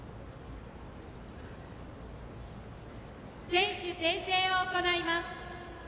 選手宣誓を行います。